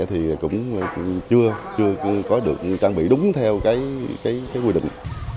thì cũng chưa có được trang bị đúng theo cái quy định